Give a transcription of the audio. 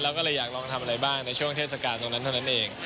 ก็เลยอยากลองทำอะไรบ้างในช่วงเทศกาลตรงนั้นเท่านั้นเอง